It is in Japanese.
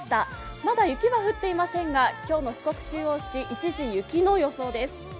まだ雪は降っていませんが、今日の四国中央市一時、雪の予想です。